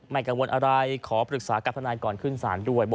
กังวลอะไรขอปรึกษากับทนายก่อนขึ้นศาลด้วย